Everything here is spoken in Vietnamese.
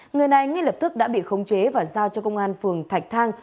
người này ngay lập tức đã bị khống chế và giao cho công an phường thạch thang